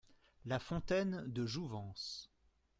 La fontaine de jouvence.